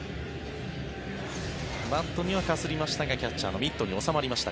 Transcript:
バットにはかすりましたがキャッチャーのミットに収まりました。